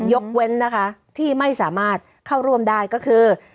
ยกเว้นนะคะที่ไม่สามารถเข้าร่วมได้ก็คือ